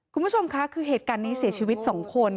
คุณผู้ชมค่ะคือเหตุการณ์นี้เสียชีวิต๒คน